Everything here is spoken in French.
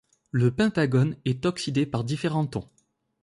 Le pentagone est oxydé par différents tons.